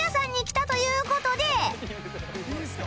いいですか？